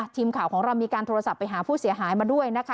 ทีมข่าวของเรามีการโทรศัพท์ไปหาผู้เสียหายมาด้วยนะคะ